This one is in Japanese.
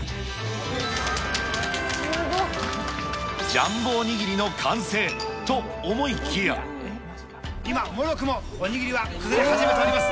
ジャンボお握りの完成、と、今、もろくもお握りは崩れ始めております。